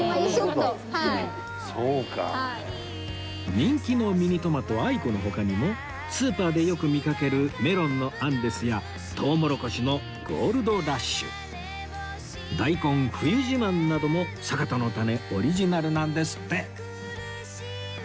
人気のミニトマトアイコの他にもスーパーでよく見かけるメロンのアンデスやトウモロコシのゴールドラッシュ大根冬自慢などもサカタのタネオリジナルなんですって